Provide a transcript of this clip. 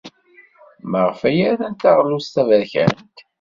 Maɣef ay rant taɣlust taberkant?